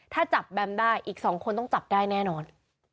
ถ้าจับแบมได้อีก๒คนต้องจับได้แน่นอน